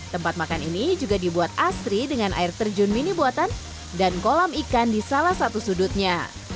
tempat makan ini juga dibuat asri dengan air terjun mini buatan dan kolam ikan di salah satu sudutnya